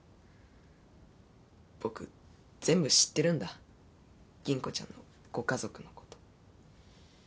僕全部知ってるんだ吟子ちゃんのご家族のこと。